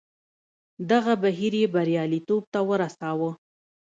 دغه بهیر یې بریالیتوب ته ورساوه.